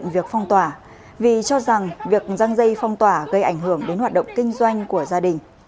việc phong tỏa vì cho rằng việc răng dây phong tỏa gây ảnh hưởng đến hoạt động kinh doanh của gia đình